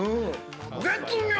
絶妙！